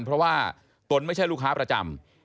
เพราะว่าตนไม่ใช่ลูกค้าประจำ